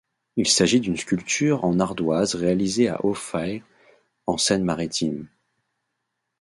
Il s'agit d'une sculpture en ardoise réalisée à Auffay en Seine Maritime.